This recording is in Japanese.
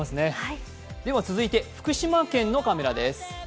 続いて福島県のカメラです。